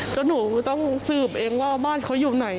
หนูต้องสืบเองว่าบ้านเขาอยู่ไหน